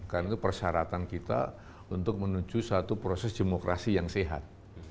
karena itu persyaratan kita untuk menuju satu proses demokrasi yang sehat